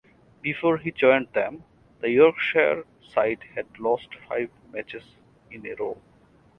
Before he joined them, the Yorkshire side had lost five matches in a row.